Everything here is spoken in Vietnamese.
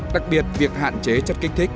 đặc biệt việc hạn chế chất kích thích